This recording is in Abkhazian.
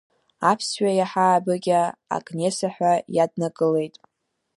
Аԥсшәа иаҳа аабыкьа Агнеса ҳәа иаднакылеит.